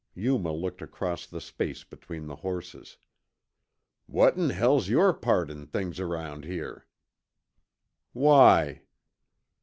Yuma looked across the space between the horses. "What in hell's yore part in things around here?" "Why?"